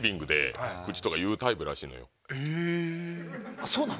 あっそうなの？